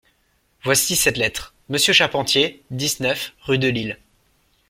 Voici cette lettre : «Monsieur Charpentier, dix-neuf, rue de Lille.